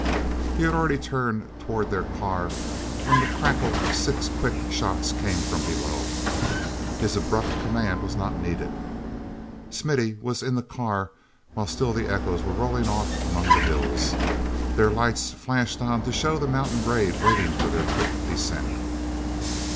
He had already turned toward their car when the crackle of six quick shots came from below. His abrupt command was not needed; Smithy was in the car while still the echoes were rolling off among the hills. Their own lights flashed on to show the mountain grade waiting for their quick descent.